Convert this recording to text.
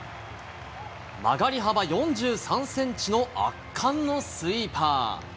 曲がり幅４３センチの圧巻のスイーパー。